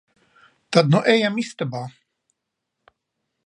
Tad nu ejam istabā.